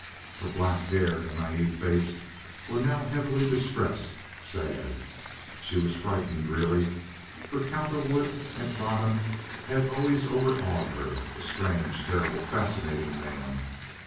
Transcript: Her black hair and naive face were now heavy, distressed, sad. She was frightened really, for Cowperwood at bottom had always overawed her—a strange, terrible, fascinating man.